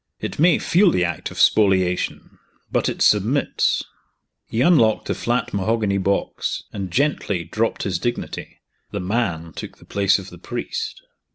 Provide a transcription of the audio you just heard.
It may feel the act of spoliation but it submits." He unlocked the flat mahogany box, and gently dropped his dignity: the man took the place of the priest.